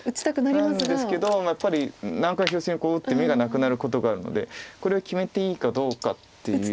なるんですけどやっぱり何かの拍子にこう打って眼がなくなることがあるのでこれを決めていいかどうかっていう。